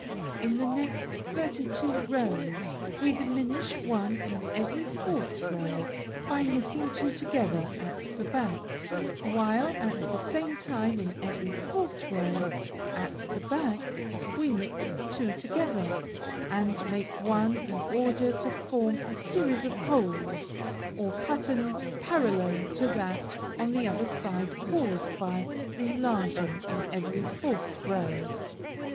In the next thirty two rows we diminish one in every fourth row, by knitting two together at the back, while at the same time in every fourth row, at the back, we knit two together, and make one in order to form a series of holes, or pattern parallel to that on the other side caused by enlarging in every fourth row.